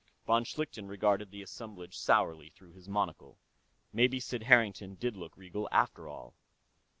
Von Schlichten regarded the assemblage sourly through his monocle. Maybe Sid Harrington did look regal, after all.